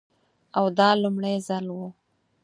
او دا لومړی ځل و.